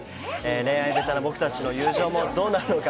恋愛べたな僕たちの友情もどうなるのか。